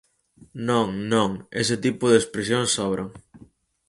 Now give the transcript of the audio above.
Non, non, ese tipo de expresións sobran.